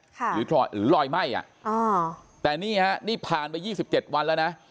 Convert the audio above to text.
หรือลอยไหม้อะแต่นี่ฮะนี่ผ่านไป๒๗วันแล้วนะ